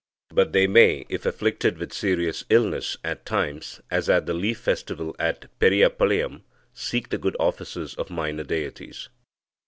But they may, if afflicted with serious illness, at times, as at the leaf festival at Periyapalayam (p. 148), seek the good offices of minor deities.